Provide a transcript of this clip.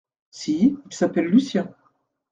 Si, il s’appelle Lucien.